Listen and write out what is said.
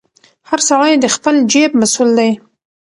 هر سړی د خپل جیب مسوول دی.